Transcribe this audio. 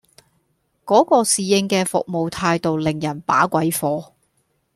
嗰個侍應嘅服務態度令人把鬼火